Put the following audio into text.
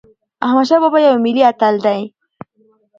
احمدشاه بابا یو ملي اتل دی.